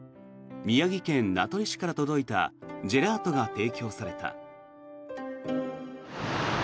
宮城県名取市から届いたジェラートが提供された。